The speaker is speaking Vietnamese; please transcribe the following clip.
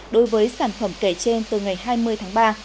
đối với sản phẩm kể trên từ ngày hai mươi tháng ba